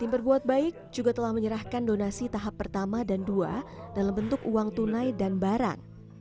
tim berbuat baik juga telah menyerahkan donasi tahap pertama dan dua dalam bentuk uang tunai dan barang